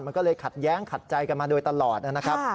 มันก็เลยขัดแย้งขัดใจกันมาโดยตลอดนะครับ